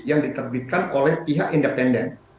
yang diterbitkan oleh pihak independen